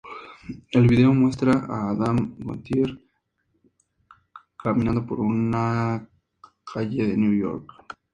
El video muestra a Adam Gontier caminando por una calle de Nueva York.